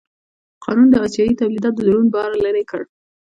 قانون د اسیايي تولیداتو دروند بار لرې کړ.